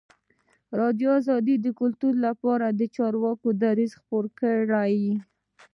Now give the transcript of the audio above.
ازادي راډیو د کلتور لپاره د چارواکو دریځ خپور کړی.